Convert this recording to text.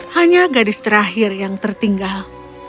hanya gadis terakhir yang tertinggal